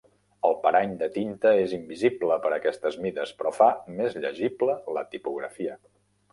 El parany de tinta és invisible per aquestes mides però fa més llegible la tipografia.